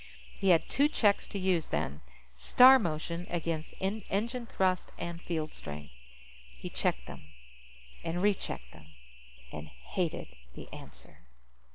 He had two checks to use, then. Star motion against engine thrust and field strength. He checked them. And rechecked them. And hated the answer.